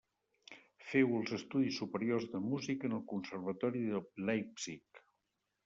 Féu els estudis superiors de música en el Conservatori de Leipzig.